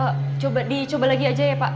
coba dicoba lagi aja ya pak